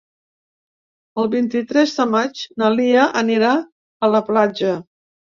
El vint-i-tres de maig na Lia anirà a la platja.